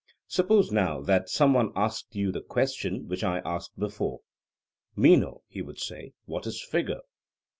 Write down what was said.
Suppose now that some one asked you the question which I asked before: Meno, he would say, what is figure?